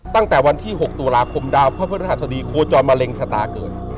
ตั้งแต่วันที่๖ตุลาคมดาวพระพฤหัสดีโคจรมะเร็งชะตาเกิด